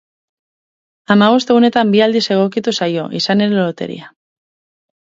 Hamabost egunetan bi aldiz egokitu zaio, izan ere, loteria.